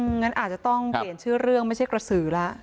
งั้นอาจจะต้องเปลี่ยนชื่อเรื่องไม่ใช่กระสือแล้ว